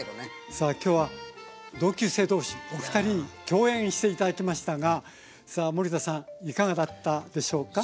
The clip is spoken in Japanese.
さあ今日は同級生同士お二人に共演して頂きましたが森田さんいかがだったでしょうか？